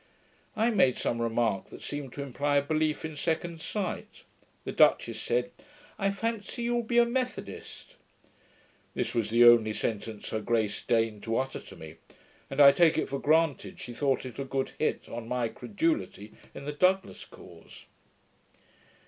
I made some remark that seemed to imply a belief in second sight. The duchess said, 'I fancy you will be a METHODIST.' This was the only sentence her grace deigned to utter to me; and I take it for granted, she thought it a good hit on my CREDULITY in the Douglas cause.